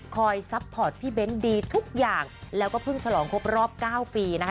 ซัพพอร์ตพี่เบ้นดีทุกอย่างแล้วก็เพิ่งฉลองครบรอบเก้าปีนะคะ